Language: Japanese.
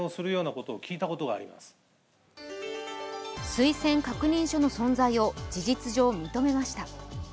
推薦確認書の存在を事実上、認めました。